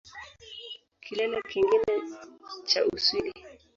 Kilele kingine cha Uswidi